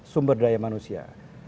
sumber daya manusia